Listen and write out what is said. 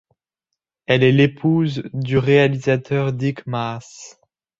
Elle est l'épouse du réalisateur Dick Maas.